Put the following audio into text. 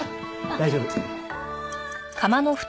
大丈夫。